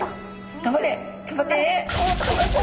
頑張れ。頑張って！